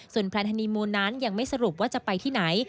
แพลนฮานีมูลนั้นยังไม่สรุปว่าจะไปที่ไหน